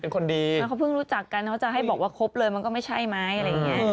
ดีเขาเพิ่งรู้จักกันเขาจะให้บอกว่าครบเลยมันก็ไม่ใช่ไหมอะไรอย่างนี้